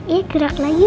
iya geraklah yuk